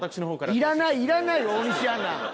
いらないいらない大西アナ。